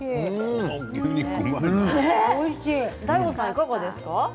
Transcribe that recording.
ＤＡＩＧＯさんいかがですか？